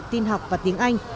tin học và tiếng anh